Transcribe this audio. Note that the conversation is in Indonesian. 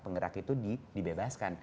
penggerak itu dibebaskan